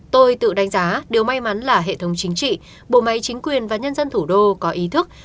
tôi tự đánh giá điều may mắn là hệ thống chính trị bộ máy chính quyền và nhân dân thủ đô có ý thức